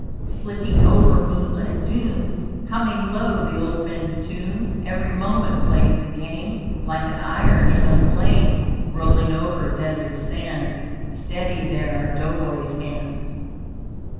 Slipping over moon lit dunes Humming low the old men's tunes. Every moment plays the game, Like an iron in a flame. Rolling over desert sands, Steady there are dough boy's hands.